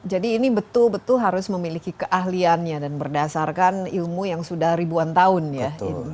jadi ini betul betul harus memiliki keahliannya dan berdasarkan ilmu yang sudah ribuan tahun ya